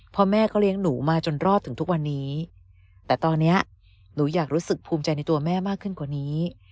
พ่อแม่เขาเลี้ยงหนูมาจนรอดถึงทุกวันนี้แต่ตอนนี้หนูอยากรู้สึกภูมิใจในตัวแม่มากขึ้นกว่านี้